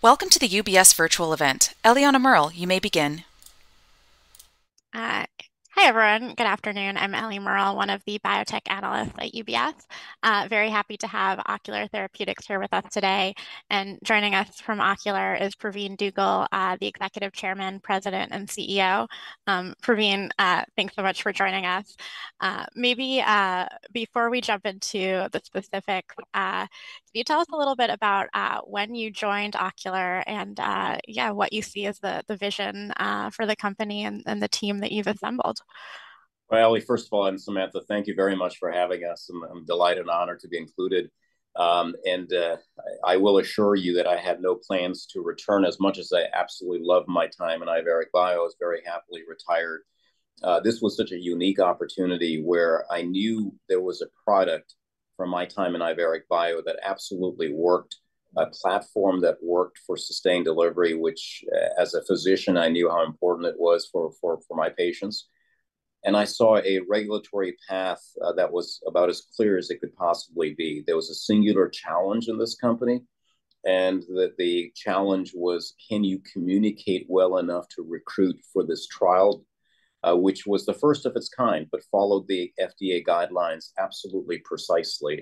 Welcome to the UBS Virtual Event. Eliana Merle, you may begin. Hi, everyone. Good afternoon. I'm Eliana Merle, one of the biotech analysts at UBS. Very happy to have Ocular Therapeutix here with us today. And joining us from Ocular is Pravin Dugel, the Executive Chairman, President, and CEO. Pravin, thanks so much for joining us. Maybe, before we jump into the specific, can you tell us a little bit about when you joined Ocular and yeah, what you see as the vision for the company and the team that you've assembled? Eli, first of all, and Samantha, thank you very much for having us, and I'm delighted and honored to be included. I will assure you that I had no plans to return. As much as I absolutely loved my time in Iveric Bio, I was very happily retired. This was such a unique opportunity where I knew there was a product from my time in Iveric Bio that absolutely worked, a platform that worked for sustained delivery, which, as a physician, I knew how important it was for my patients. And I saw a regulatory path that was about as clear as it could possibly be. There was a singular challenge in this company, and that the challenge was: Can you communicate well enough to recruit for this trial? which was the first of its kind, but followed the FDA guidelines absolutely precisely.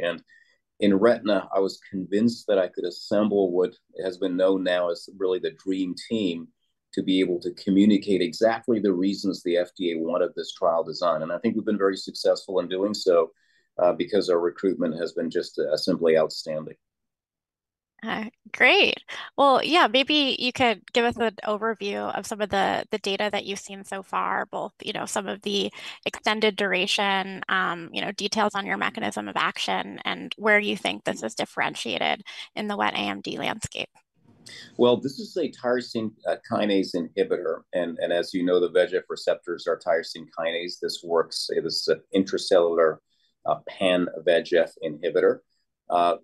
In retina, I was convinced that I could assemble what has been known now as really the dream team, to be able to communicate exactly the reasons the FDA wanted this trial design. I think we've been very successful in doing so, because our recruitment has been just, simply outstanding. Great! Well, yeah, maybe you could give us an overview of some of the data that you've seen so far, both, you know, some of the extended duration, you know, details on your mechanism of action, and where you think this is differentiated in the wet AMD landscape? This is a tyrosine kinase inhibitor, and as you know, the VEGF receptors are tyrosine kinase. This works. This is an intracellular pan-VEGF inhibitor.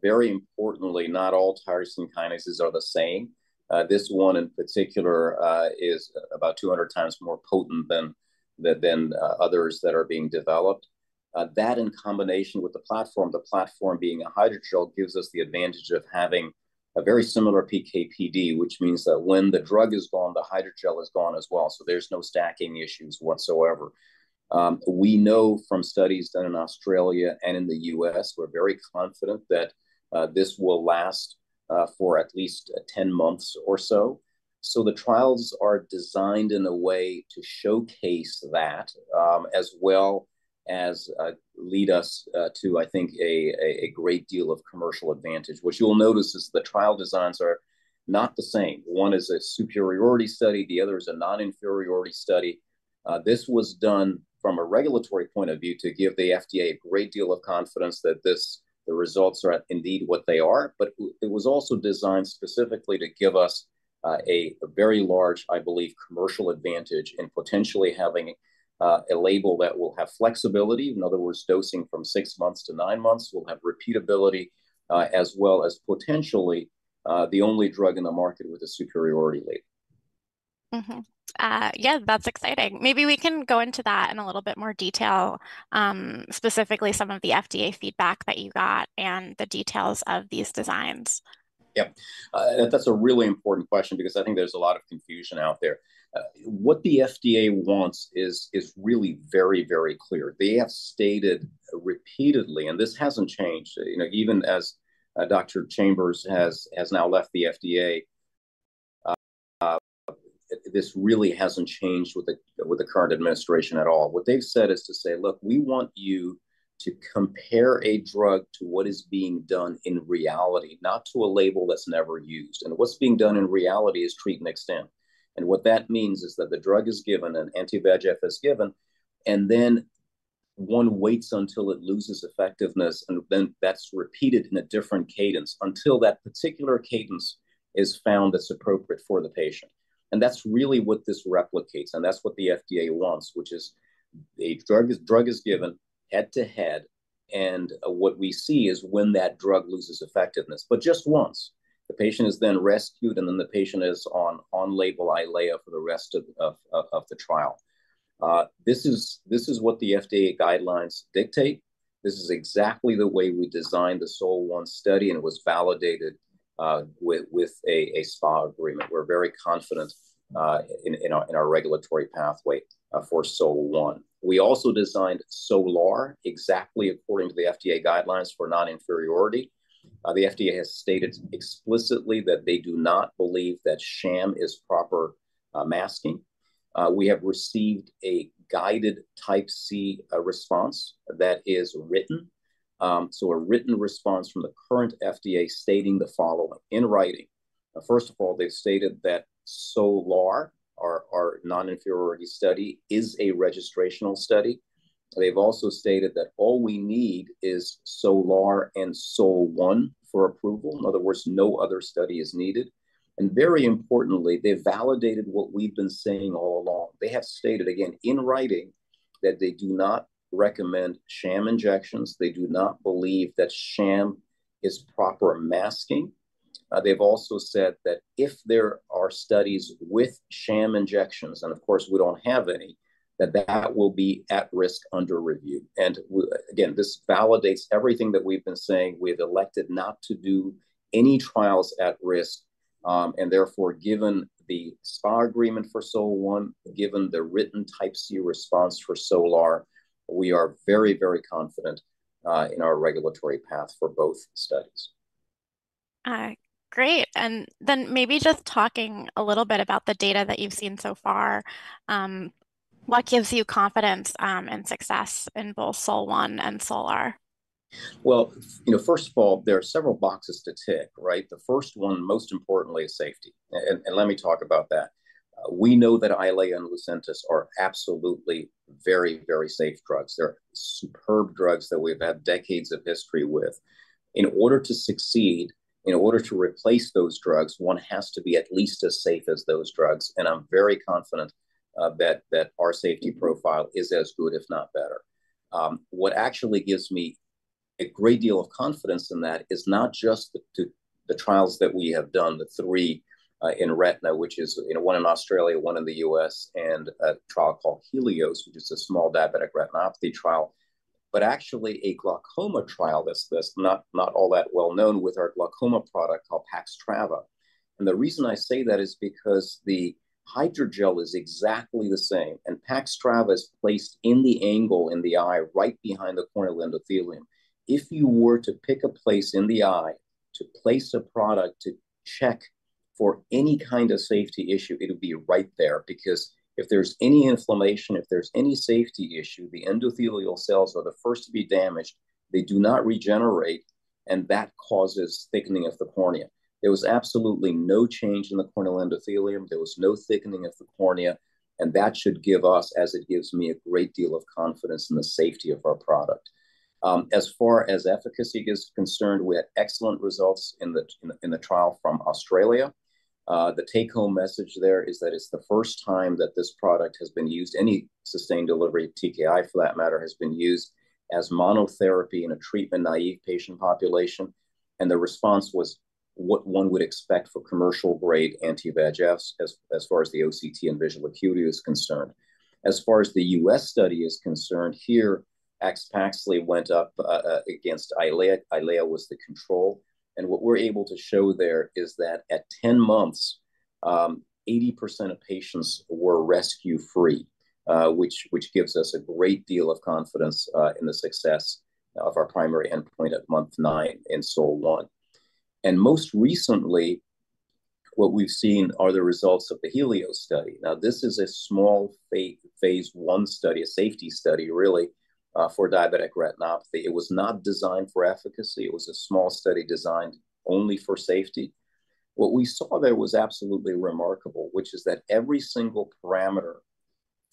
Very importantly, not all tyrosine kinases are the same. This one in particular is about 200 times more potent than others that are being developed. That, in combination with the platform, the platform being a hydrogel, gives us the advantage of having a very similar PK/PD, which means that when the drug is gone, the hydrogel is gone as well, so there's no stacking issues whatsoever. We know from studies done in Australia and in the US, we're very confident that this will last for at least 10 months or so. So the trials are designed in a way to showcase that, as well as lead us to, I think, a great deal of commercial advantage. What you'll notice is the trial designs are not the same. One is a superiority study, the other is a non-inferiority study. This was done from a regulatory point of view to give the FDA a great deal of confidence that the results are indeed what they are. But it was also designed specifically to give us a very large, I believe, commercial advantage in potentially having a label that will have flexibility. In other words, dosing from six months to nine months, we'll have repeatability, as well as potentially the only drug in the market with a superiority label. Mm-hmm. Yeah, that's exciting. Maybe we can go into that in a little bit more detail, specifically some of the FDA feedback that you got and the details of these designs. Yeah. That's a really important question because I think there's a lot of confusion out there. What the FDA wants is really very, very clear. They have stated repeatedly, and this hasn't changed, you know, even as Dr. Chambers has now left the FDA, this really hasn't changed with the current administration at all. What they've said is to say, "Look, we want you to compare a drug to what is being done in reality, not to a label that's never used." And what's being done in reality is treat and extend. And what that means is that the drug is given, an anti-VEGF is given, and then one waits until it loses effectiveness, and then that's repeated in a different cadence until that particular cadence is found that's appropriate for the patient. And that's really what this replicates, and that's what the FDA wants, which is a drug given head-to-head, and what we see is when that drug loses effectiveness, but just once. The patient is then rescued, and then the patient is on label Eylea for the rest of the trial. This is what the FDA guidelines dictate. This is exactly the way we designed the SOL-1 study, and it was validated with a SPA agreement. We're very confident in our regulatory pathway for SOL-1. We also designed SOL-R exactly according to the FDA guidelines for non-inferiority. The FDA has stated explicitly that they do not believe that sham is proper masking. We have received a guidance Type C response that is written, so a written response from the current FDA stating the following in writing: First of all, they've stated that SOL-R, our non-inferiority study, is a registrational study. They've also stated that all we need is SOL-R and SOL-1 for approval. In other words, no other study is needed. And very importantly, they validated what we've been saying all along. They have stated, again, in writing, that they do not recommend sham injections. They do not believe that sham is proper masking. They've also said that if there are studies with sham injections, and of course, we don't have any, that will be at-risk under review. And again, this validates everything that we've been saying. We've elected not to do any trials at risk, and therefore, given the SPA agreement for SOL-1, given the written Type C response for SOL-R, we are very, very confident in our regulatory path for both studies. Great. And then maybe just talking a little bit about the data that you've seen so far, what gives you confidence, and success in both SOL-1 and SOL-R? You know, first of all, there are several boxes to tick, right? The first one, most importantly, is safety. And let me talk about that. We know that Eylea and Lucentis are absolutely very, very safe drugs. They're superb drugs that we've had decades of history with. In order to succeed, in order to replace those drugs, one has to be at least as safe as those drugs, and I'm very confident that our safety profile is as good, if not better. What actually gives me a great deal of confidence in that is not just the trials that we have done, the three in retina, which is, you know, one in Australia, one in the US, and a trial called HELIOS, which is a small diabetic retinopathy trial, but actually a glaucoma trial that's not all that well known with our glaucoma product called PAXTRAVA. And the reason I say that is because the hydrogel is exactly the same, and PAXTRAVA is placed in the angle in the eye right behind the corneal endothelium. If you were to pick a place in the eye to place a product to check for any kind of safety issue, it would be right there. Because if there's any inflammation, if there's any safety issue, the endothelial cells are the first to be damaged. They do not regenerate, and that causes thickening of the cornea. There was absolutely no change in the corneal endothelium. There was no thickening of the cornea, and that should give us, as it gives me, a great deal of confidence in the safety of our product. As far as efficacy is concerned, we had excellent results in the trial from Australia. The take-home message there is that it's the first time that this product has been used, any sustained delivery TKI, for that matter, has been used as monotherapy in a treatment-naive patient population, and the response was what one would expect for commercial-grade anti-VEGFs, as far as the OCT and visual acuity is concerned. As far as the US study is concerned, here, AXPAXLI went up against Eylea. Eylea was the control, and what we're able to show there is that at 10 months, 80% of patients were rescue-free, which gives us a great deal of confidence in the success of our primary endpoint at month 9 in SOL-1. And most recently, what we've seen are the results of the HELIOS study. Now, this is a small phase I study, a safety study, really, for diabetic retinopathy. It was not designed for efficacy. It was a small study designed only for safety. What we saw there was absolutely remarkable, which is that every single parameter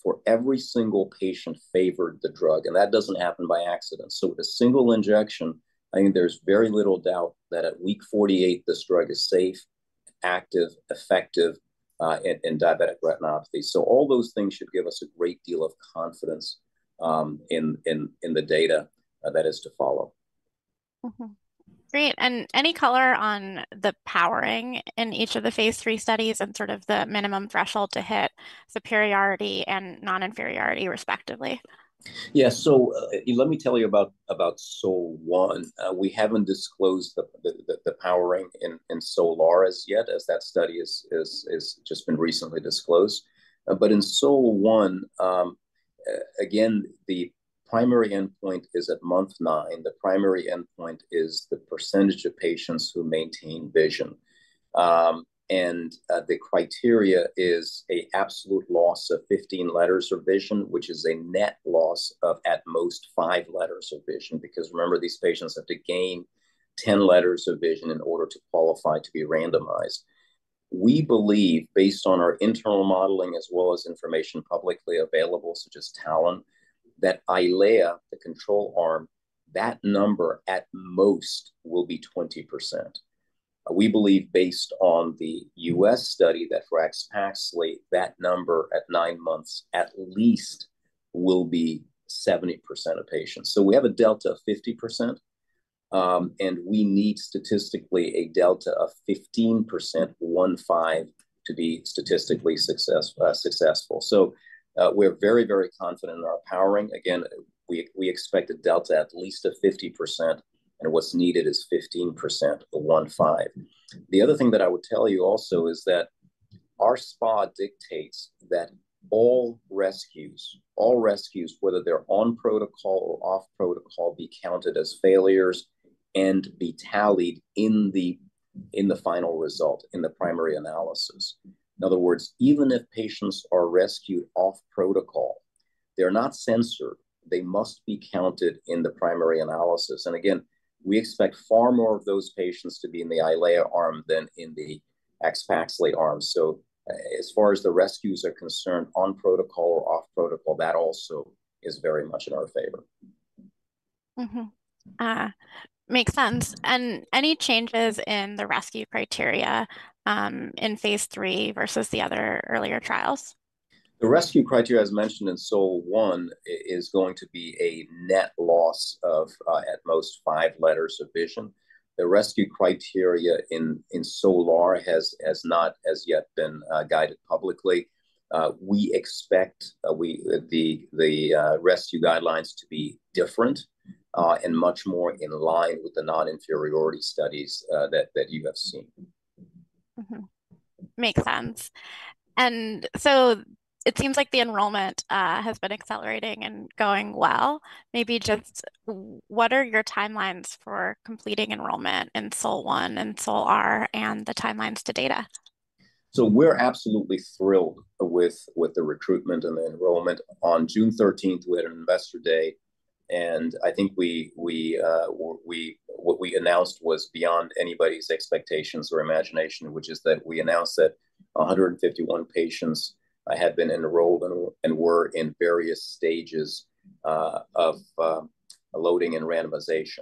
for every single patient favored the drug, and that doesn't happen by accident. So with a single injection, I think there's very little doubt that at week 48, this drug is safe, active, effective in diabetic retinopathy. So all those things should give us a great deal of confidence in the data that is to follow. Mm-hmm. Great, and any color on the powering in each of the phase III studies and sort of the minimum threshold to hit superiority and non-inferiority, respectively? Yeah. So, let me tell you about SOL-1. We haven't disclosed the powering in SOL-R as yet, as that study is just been recently disclosed. But in SOL-1, again, the primary endpoint is at month 9. The primary endpoint is the percentage of patients who maintain vision. And the criteria is an absolute loss of 15 letters of vision, which is a net loss of at most 5 letters of vision, because remember, these patients have to gain 10 letters of vision in order to qualify to be randomized. We believe, based on our internal modeling, as well as information publicly available, such as TALON, that Eylea, the control arm, that number at most will be 20%. We believe, based on the US study, that for AXPAXLI, that number at nine months at least will be 70% of patients. So we have a delta of 50%, and we need statistically a delta of 15%, one, five, to be statistically successful. So, we're very, very confident in our powering. Again, we expect a delta at least of 50%, and what's needed is 15%, a one, five. The other thing that I would tell you also is that our SPA dictates that all rescues, whether they're on protocol or off protocol, be counted as failures and be tallied in the final result, in the primary analysis. In other words, even if patients are rescued off protocol, they're not censored. They must be counted in the primary analysis, and again, we expect far more of those patients to be in the Eylea arm than in the AXPAXLI arm. So, as far as the rescues are concerned, on protocol or off protocol, that also is very much in our favor. Mm-hmm. Makes sense. And any changes in the rescue criteria in phase III versus the other earlier trials? The rescue criteria, as mentioned in SOL-1, is going to be a net loss of at most five letters of vision. The rescue criteria in SOL-R has not as yet been guided publicly. We expect the rescue guidelines to be different and much more in line with the non-inferiority studies that you have seen. Mm-hmm. Makes sense. And so it seems like the enrollment has been accelerating and going well. Maybe just what are your timelines for completing enrollment in SOL-1 and SOL-R and the timelines to data? We're absolutely thrilled with the recruitment and the enrollment. On June thirteenth, we had an investor day, and I think we what we announced was beyond anybody's expectations or imagination, which is that we announced that a hundred and fifty-one patients had been enrolled and were in various stages of loading and randomization.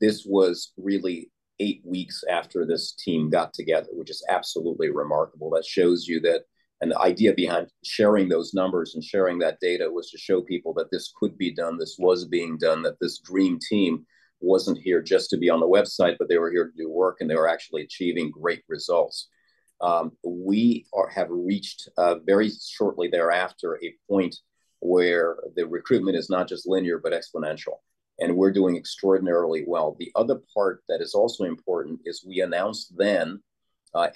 This was really eight weeks after this team got together, which is absolutely remarkable. That shows you that an idea behind sharing those numbers and sharing that data was to show people that this could be done, this was being done, that this dream team wasn't here just to be on the website, but they were here to do work, and they were actually achieving great results. We have reached very shortly thereafter a point where the recruitment is not just linear, but exponential, and we're doing extraordinarily well. The other part that is also important is we announced then,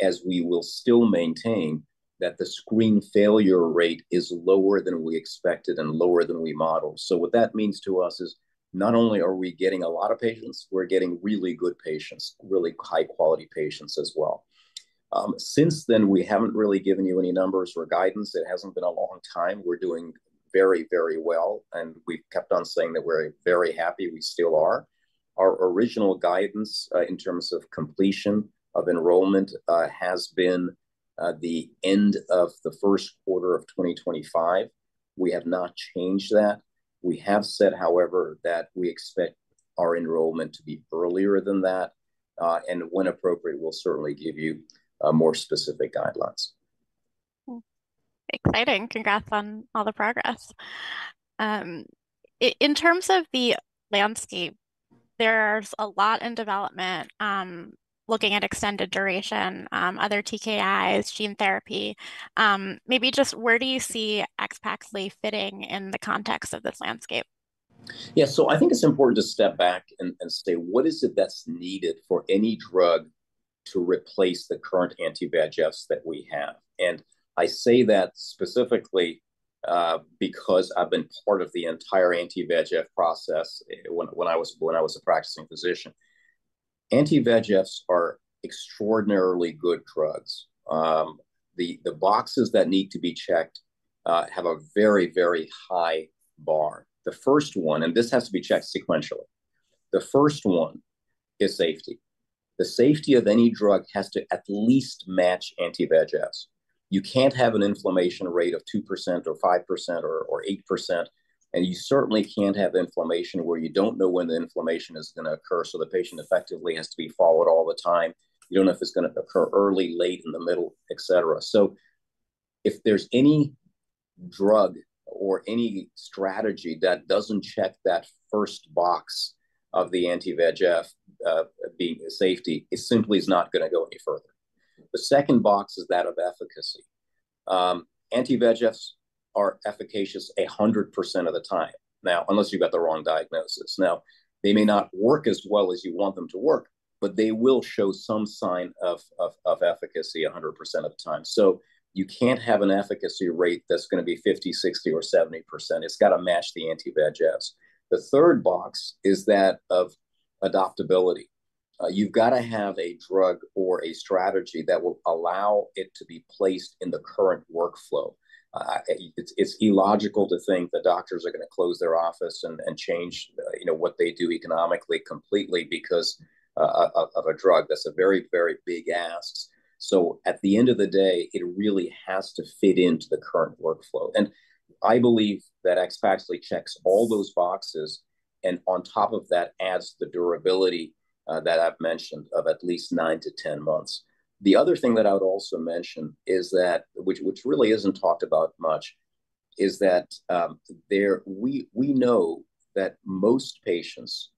as we will still maintain, that the screen failure rate is lower than we expected and lower than we modeled. So what that means to us is not only are we getting a lot of patients, we're getting really good patients, really high-quality patients as well. Since then, we haven't really given you any numbers or guidance. It hasn't been a long time. We're doing very, very well, and we've kept on saying that we're very happy. We still are. Our original guidance in terms of completion of enrollment has been the end of the first quarter of 2025. We have not changed that. We have said, however, that we expect our enrollment to be earlier than that, and when appropriate, we'll certainly give you more specific guidelines. Mm. Exciting. Congrats on all the progress. In terms of the landscape, there's a lot in development, looking at extended duration, other TKIs, gene therapy. Maybe just where do you see AXPAXLI fitting in the context of this landscape? Yeah. So I think it's important to step back and say, "What is it that's needed for any drug to replace the current anti-VEGFs that we have?" And I say that specifically, because I've been part of the entire anti-VEGF process when I was a practicing physician. Anti-VEGFs are extraordinarily good drugs. The boxes that need to be checked have a very, very high bar. The first one, and this has to be checked sequentially, the first one is safety. The safety of any drug has to at least match anti-VEGFs. You can't have an inflammation rate of 2% or 5% or 8%, and you certainly can't have inflammation where you don't know when the inflammation is going to occur, so the patient effectively has to be followed all the time. You don't know if it's going to occur early, late, in the middle, et cetera. So if there's any drug or any strategy that doesn't check that first box of the anti-VEGF being safety, it simply is not going to go any further. The second box is that of efficacy. Anti-VEGFs are efficacious 100% of the time, now, unless you've got the wrong diagnosis. Now, they may not work as well as you want them to work, but they will show some sign of efficacy 100% of the time. So you can't have an efficacy rate that's going to be 50%, 60%, or 70%. It's got to match the anti-VEGFs. The third box is that of adoptability. You've got to have a drug or a strategy that will allow it to be placed in the current workflow. It's illogical to think that doctors are going to close their office and change, you know, what they do economically, completely because of a drug. That's a very, very big ask. So at the end of the day, it really has to fit into the current workflow, and I believe that AXPAXLI checks all those boxes, and on top of that, adds the durability that I've mentioned of at least nine to 10 months. The other thing that I would also mention is that, which really isn't talked about much, is that, we know that most patients,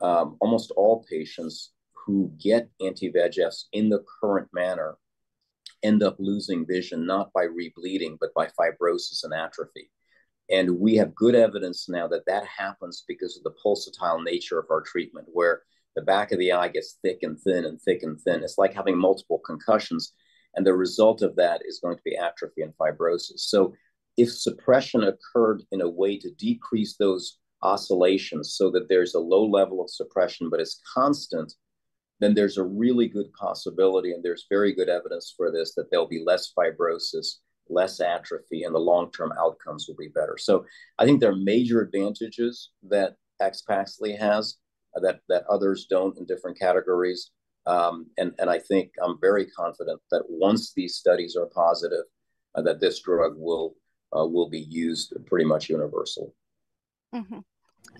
almost all patients who get anti-VEGFs in the current manner, end up losing vision, not by rebleeding, but by fibrosis and atrophy. And we have good evidence now that that happens because of the pulsatile nature of our treatment, where the back of the eye gets thick and thin and thick and thin. It's like having multiple concussions, and the result of that is going to be atrophy and fibrosis. So if suppression occurred in a way to decrease those oscillations so that there's a low level of suppression, but it's constant, then there's a really good possibility, and there's very good evidence for this, that there'll be less fibrosis, less atrophy, and the long-term outcomes will be better. So I think there are major advantages that AXPAXLI has, that others don't in different categories. And I think I'm very confident that once these studies are positive, that this drug will be used pretty much universal. Mm-hmm.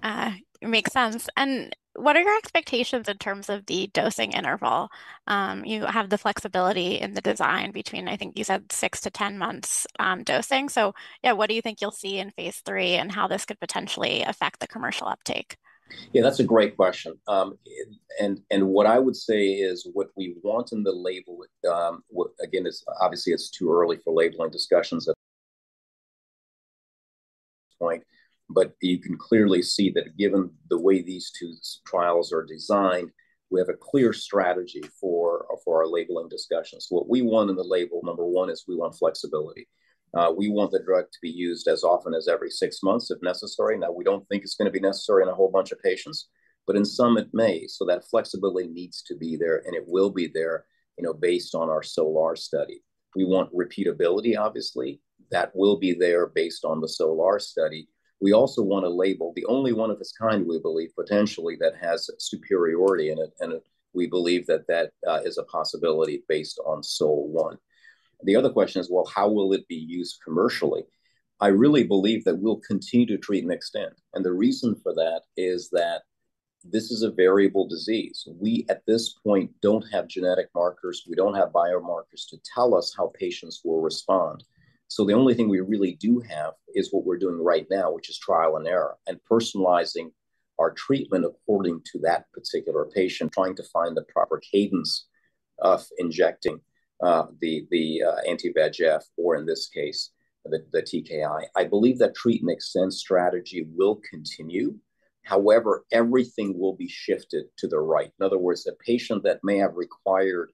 It makes sense. And what are your expectations in terms of the dosing interval? You have the flexibility in the design between, I think you said, six to 10 months dosing. So, yeah, what do you think you'll see in phase 3, and how this could potentially affect the commercial uptake? Yeah, that's a great question, and what I would say is what we want in the label, again, it's obviously too early for labeling discussions at this point, but you can clearly see that given the way these two SOL-1 and SOL-R trials are designed, we have a clear strategy for our labeling discussions. What we want in the label, number one, is we want flexibility. We want the drug to be used as often as every six months, if necessary. Now, we don't think it's gonna be necessary in a whole bunch of patients, but in some it may, so that flexibility needs to be there, and it will be there, you know, based on our SOL-1 and SOL-R study. We want repeatability, obviously. That will be there based on the SOL-1 and SOL-R study. We also want to label the only one of its kind, we believe, potentially, that has superiority in it, and we believe that that is a possibility based on SOL-1. The other question is, well, how will it be used commercially? I really believe that we'll continue to treat and extend, and the reason for that is that this is a variable disease. We, at this point, don't have genetic markers, we don't have biomarkers to tell us how patients will respond. So the only thing we really do have is what we're doing right now, which is trial and error, and personalizing our treatment according to that particular patient, trying to find the proper cadence of injecting the anti-VEGF or, in this case, the TKI. I believe that treat and extend strategy will continue. However, everything will be shifted to the right. In other words, a patient that may have required,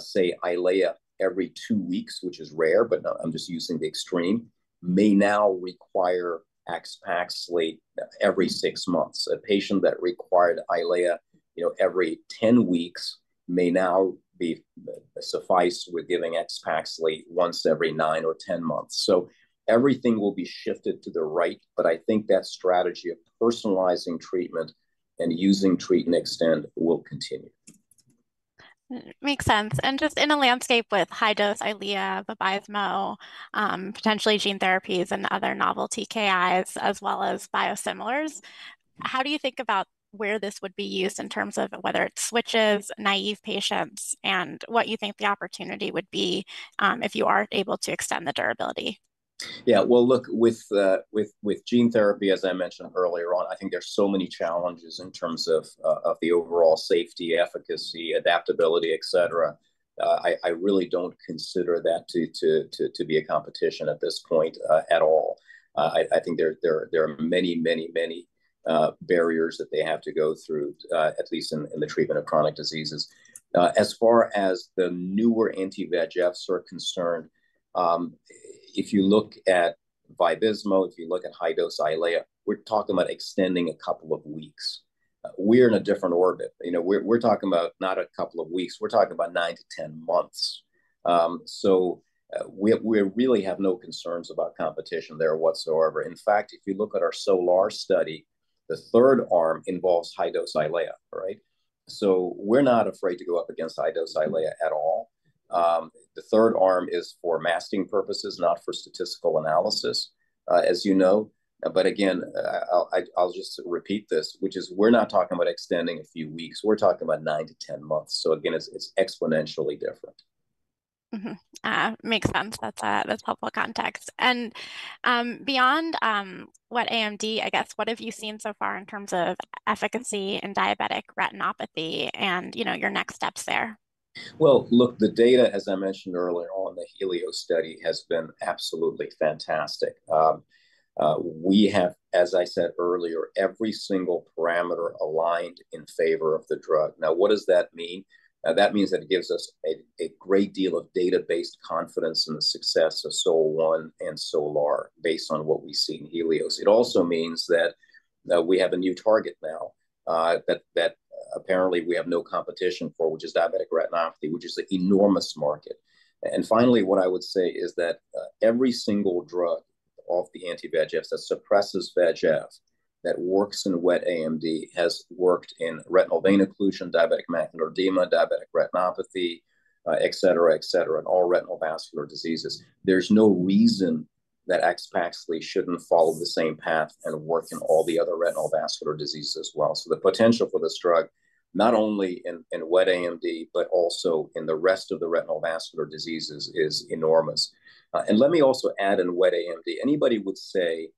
say, Eylea every two weeks, which is rare, but, I'm just using the extreme, may now require AXPAXLI every six months. A patient that required Eylea, you know, every 10 weeks may now be sufficed with giving AXPAXLI once every nine or 10 months. So everything will be shifted to the right, but I think that strategy of personalizing treatment and using treat and extend will continue. Mm, makes sense. And just in a landscape with high-dose Eylea, Vabysmo, potentially gene therapies and other novel TKIs, as well as biosimilars, how do you think about where this would be used in terms of whether it switches naive patients, and what you think the opportunity would be, if you are able to extend the durability? Yeah, well, look, with gene therapy, as I mentioned earlier on, I think there's so many challenges in terms of, of the overall safety, efficacy, adaptability, et cetera. I really don't consider that to be a competition at this point, at all. I think there are many barriers that they have to go through, at least in the treatment of chronic diseases. As far as the newer anti-VEGFs are concerned, if you look at Vabysmo, if you look at high-dose Eylea, we're talking about extending a couple of weeks. We're in a different orbit. You know, we're talking about not a couple of weeks. We're talking about nine to 10 months. So, we really have no concerns about competition there whatsoever. In fact, if you look at our SOL-1 study, the third arm involves high-dose Eylea, right? So we're not afraid to go up against high-dose Eylea at all. The third arm is for masking purposes, not for statistical analysis, as you know. But again, I'll just repeat this, which is, we're not talking about extending a few weeks. We're talking about nine to ten months, so again, it's exponentially different. Mm-hmm. Makes sense. That's helpful context, and beyond what AMD, I guess, what have you seen so far in terms of efficacy in diabetic retinopathy and, you know, your next steps there? Look, the data, as I mentioned earlier on, the HELIOS study has been absolutely fantastic. We have, as I said earlier, every single parameter aligned in favor of the drug. Now, what does that mean? That means that it gives us a great deal of data-based confidence in the success of SOL-1 and SOL-R, based on what we see in HELIOS. It also means that we have a new target now, that apparently we have no competition for, which is diabetic retinopathy, which is an enormous market. Finally, what I would say is that every single drug of the anti-VEGFs that suppresses VEGF, that works in wet AMD, has worked in retinal vein occlusion, diabetic macular edema, diabetic retinopathy, et cetera, and all retinal vascular diseases. There's no reason that AXPAXLI shouldn't follow the same path and work in all the other retinal vascular diseases as well. So the potential for this drug, not only in, in wet AMD, but also in the rest of the retinal vascular diseases, is enormous. And let me also add in wet AMD, anybody would say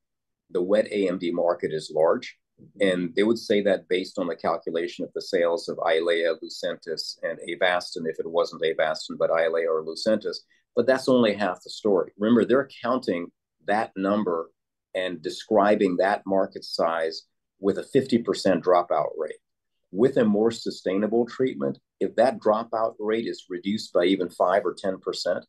the wet AMD market is large, and they would say that based on the calculation of the sales of Eylea, Lucentis, and Avastin, if it wasn't Avastin, but Eylea or Lucentis, but that's only half the story. Remember, they're counting that number and describing that market size with a 50% dropout rate. With a more sustainable treatment, if that dropout rate is reduced by even 5% or 10%,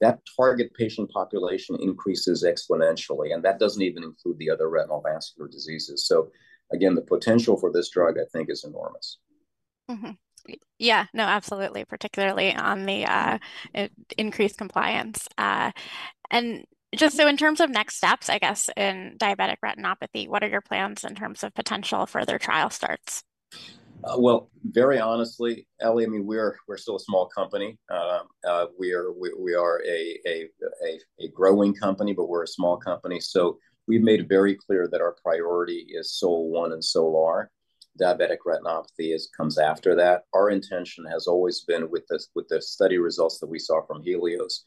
that target patient population increases exponentially, and that doesn't even include the other retinal vascular diseases. So again, the potential for this drug, I think, is enormous. Mm-hmm. Yeah, no, absolutely, particularly on the increased compliance, and just so in terms of next steps, I guess, in diabetic retinopathy, what are your plans in terms of potential further trial starts? Well, very honestly, Ellie, I mean, we're still a small company. We are a growing company, but we're a small company. So we've made it very clear that our priority is SOL-1 and SOL-R. Diabetic retinopathy comes after that. Our intention has always been with the study results that we saw from HELIOS,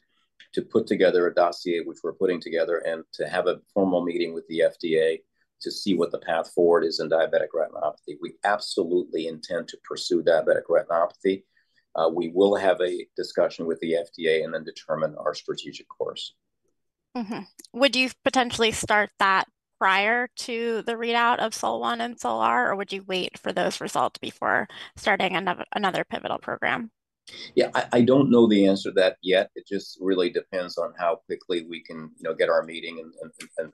to put together a dossier, which we're putting together, and to have a formal meeting with the FDA to see what the path forward is in diabetic retinopathy. We absolutely intend to pursue diabetic retinopathy. We will have a discussion with the FDA and then determine our strategic course. Mm-hmm. Would you potentially start that prior to the readout of SOL-1 and SOL-R, or would you wait for those results before starting another pivotal program? Yeah, I don't know the answer to that yet. It just really depends on how quickly we can, you know, get our meeting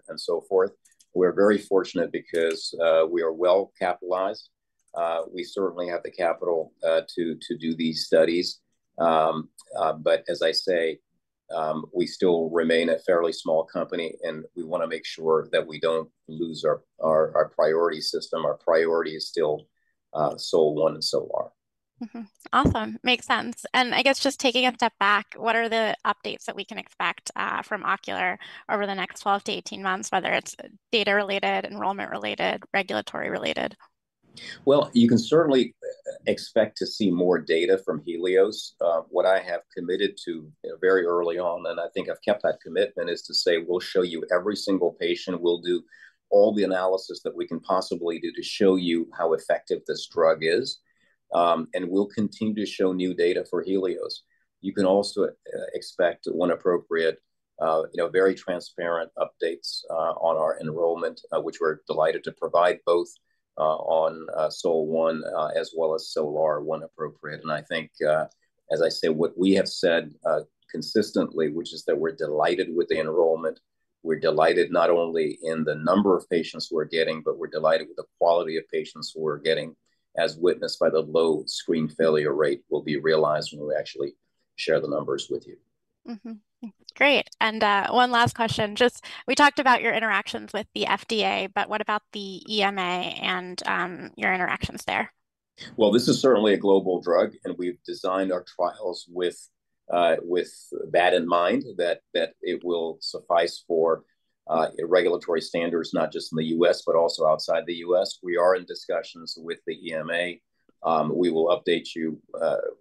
and so forth. We're very fortunate because we are well-capitalized. We certainly have the capital to do these studies. But as I say, we still remain a fairly small company, and we wanna make sure that we don't lose our priority system. Our priority is still SOL-1 and SOL-R. Mm-hmm. Awesome, makes sense. And I guess just taking a step back, what are the updates that we can expect from Ocular over the next twelve to eighteen months, whether it's data-related, enrollment-related, regulatory-related? You can certainly expect to see more data from HELIOS. What I have committed to, you know, very early on, and I think I've kept that commitment, is to say, "We'll show you every single patient. We'll do all the analysis that we can possibly do to show you how effective this drug is," and we'll continue to show new data for HELIOS. You can also expect, when appropriate, you know, very transparent updates on our enrollment, which we're delighted to provide both on SOL-1 as well as SOL-R, when appropriate. I think, as I said, what we have said consistently, which is that we're delighted with the enrollment. We're delighted not only in the number of patients we're getting, but we're delighted with the quality of patients we're getting, as witnessed by the low screen failure rate, which will be realized when we actually share the numbers with you. Mm-hmm. Great, and one last question, just we talked about your interactions with the FDA, but what about the EMA and your interactions there? This is certainly a global drug, and we've designed our trials with that in mind, that it will suffice for regulatory standards, not just in the US, but also outside the US. We are in discussions with the EMA. We will update you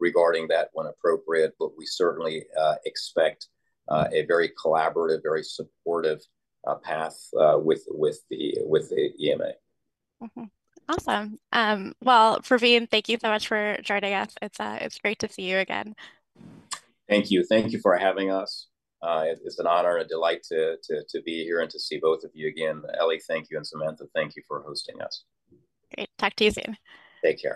regarding that when appropriate, but we certainly expect a very collaborative, very supportive path with the EMA. Mm-hmm. Awesome. Well, Pravin, thank you so much for joining us. It's great to see you again. Thank you. Thank you for having us. It's an honor, a delight to be here and to see both of you again. Ellie, thank you, and Samantha, thank you for hosting us. Great. Talk to you soon. Take care.